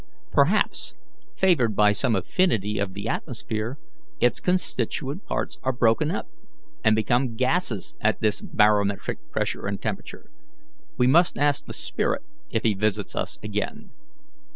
Perhaps, favoured by some affinity of the atmosphere, its constituent parts are broken up and become gases at this barometric pressure and temperature. We must ask the spirit, if he visits us again."